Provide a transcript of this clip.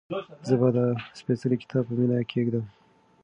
زه به دا سپېڅلی کتاب په مینه کېږدم.